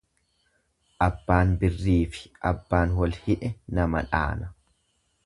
Abbaan birriifi abbaan wal hidhe nama dhaana.